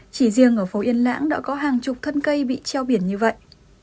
chỉ riêng ở phố yên lãng đã có hàng chục thân cây bị treo biển như vậy